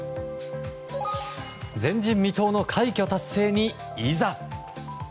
前人未到の快挙達成に、いざ！